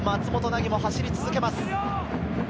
生も走り続けます。